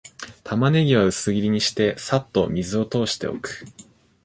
タマネギは薄切りにして、さっと水を通しておく